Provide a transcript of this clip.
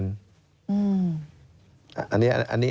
อันนี้ทางแพทย์เขาพูด